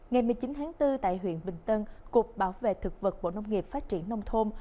ngày một mươi chín tháng bốn tại huyện bình tân cục bảo vệ thực vật bộ nông nghiệp phát triển nông thôn